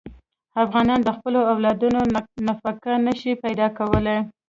افغانان د خپلو اولادونو نفقه نه شي پیدا کولی.